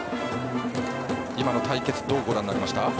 今の対決どうご覧になりましたか。